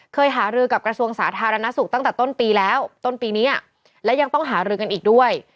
หารือกับกระทรวงสาธารณสุขตั้งแต่ต้นปีแล้วต้นปีนี้และยังต้องหารือกันอีกด้วย